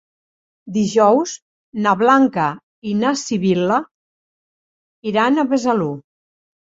Dijous na Blanca i na Sibil·la iran a Besalú.